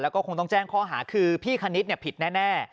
แล้วก็คงต้องแจ้งข้อหาคือพี่คณิตผิดแน่